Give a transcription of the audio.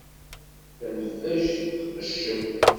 Taneffajt tqeccem.